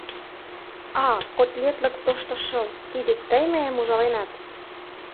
— А, котлетлык тошто шыл, тиде тый мыйым ужаленат!